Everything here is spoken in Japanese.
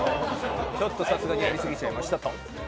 ちょっとさすがにやり過ぎちゃいましたと。